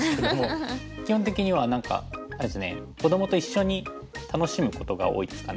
基本的には何かあれですね子どもと一緒に楽しむことが多いですかね。